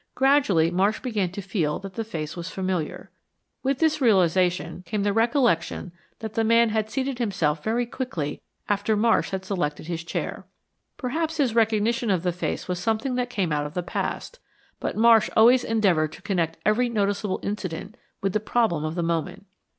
Gradually Marsh began to feel that the face was familiar. With this realization came the recollection that the man had seated himself very quickly after Marsh had selected his chair. Perhaps his recognition of the face was something that came out of the past, but Marsh always endeavored to connect every noticeable incident with the problem of the moment.